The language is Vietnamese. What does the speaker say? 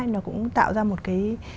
nó cũng tạo ra một cái